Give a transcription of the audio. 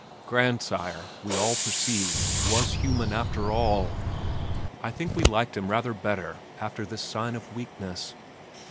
Grandsire, we all perceived, was human after all. I think we liked him rather better after this sign of weakness.